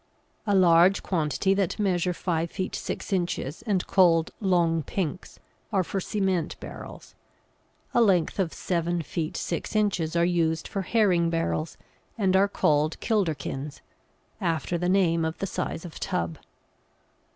A large quantity that measure five feet six inches, and called "long pinks," are for cement barrels. A length of seven feet six inches are used for herring barrels, and are called kilderkins, after the name of the size of tub.